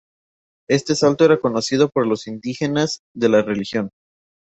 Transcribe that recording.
Este salto era conocido por los indígenas de la región.